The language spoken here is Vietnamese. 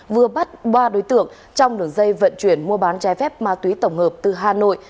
vừa bắt ba đối tượng trong đường dây vận chuyển mua bán trái phép ma túy tổng hợp từ hà nội